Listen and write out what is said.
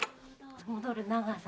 戻る長さが。